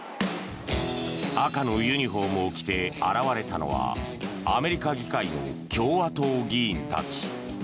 赤のユニホームを着て現れたのはアメリカ議会の共和党議員たち。